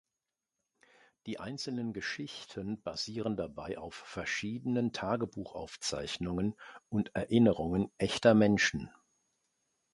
Die einzelnen Geschichten basieren dabei auf verschiedenen Tagebuchaufzeichnungen und Erinnerungen echter Menschen.